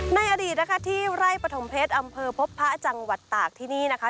ในอดีตนะคะที่ไร่ปฐมเพชรอำเภอพบพระจังหวัดตากที่นี่นะคะ